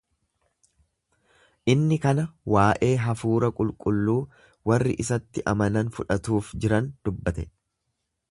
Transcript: Inni kana waa’ee Hafuura Qulqulluu warri isatti amanan fudhatuuf jiran dubbate.